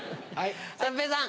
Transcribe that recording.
三平さん。